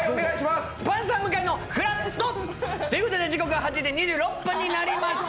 「パンサー向井の＃ふらっと」ということで時刻は８時２６分になりました。